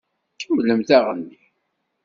Kemmlemt aɣenni!